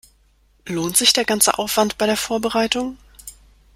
Lohnt sich der ganze Aufwand bei der Vorbereitung?